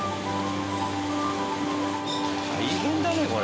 大変だねこれ。